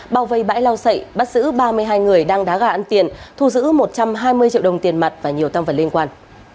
bảo vệ bãi lao sậy bắt giữ ba mươi hai người đang đá gà ăn tiền thu giữ một trăm hai mươi triệu đồng tiền mặt và nhiều tâm vật liên quan